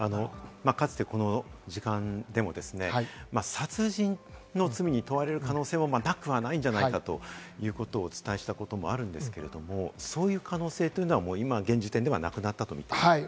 かつて、この時間でも殺人の罪に問われる可能性もなくはないんじゃないかということをお伝えしたこともあるんですけれども、そういう可能性は今、現時点ではなくなったと見ていいですか？